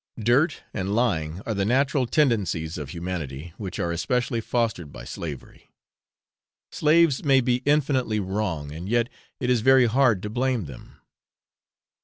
Dirt and lying are the natural tendencies of humanity, which are especially fostered by slavery. Slaves may be infinitely wrong, and yet it is very hard to blame them.